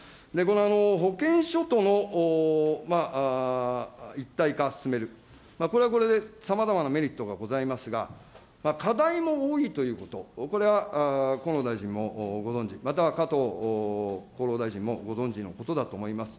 この保険証との一体化を進める、これはこれで、さまざまなメリットがございますが、課題も多いということ、これは河野大臣もご存じの、または加藤厚労大臣もご存じのことだと思います。